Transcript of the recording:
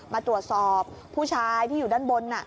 มาตรวจสอบผู้ชายที่อยู่ด้านบน